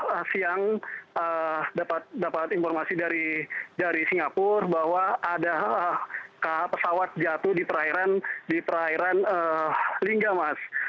tadi siang dapat informasi dari singapura bahwa ada pesawat jatuh di perairan lingga mas